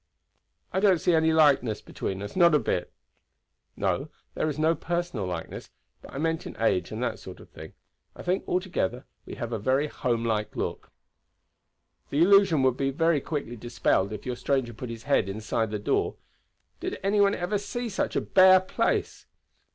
"I don't see any likeness between us not a bit." "No, there is no personal likeness; but I meant in age and that sort of thing. I think, altogether, we have a very homelike look." "The illusion would be very quickly dispelled if your stranger put his head inside the door. Did any one ever see such a bare place?"